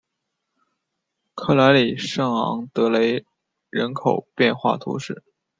克莱里圣昂德雷人口变化图示